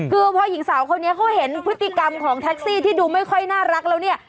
คือพอหญิงสาวคนนี้เขาเห็นพฤติกรรมของแท็กซี่ที่ดูไม่ค่อยน่ารักแล้วเนี่ย